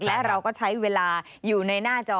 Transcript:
และเราก็ใช้เวลาอยู่ในหน้าจอ